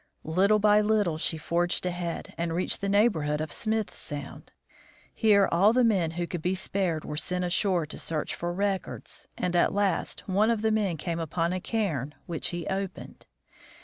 Little by little she forged ahead, and reached the neighborhood of Smith sound. Here all the men who could be spared were sent ashore to search for records, and at last one of the men came upon a cairn, which he opened.